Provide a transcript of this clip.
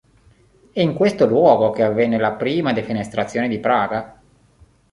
È in questo luogo che avvenne la prima defenestrazione di Praga.